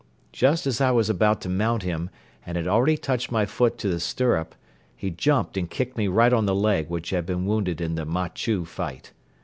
Just as I was about to mount him and had already touched my foot to the stirrup, he jumped and kicked me right on the leg which had been wounded in the Ma chu fight.